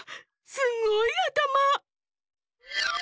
すごいあたま！